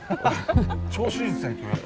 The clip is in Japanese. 調子いいですね